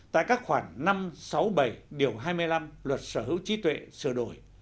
tại các khoảng năm sáu bảy điều hai mươi năm luật sở hữu trí tuệ sửa đổi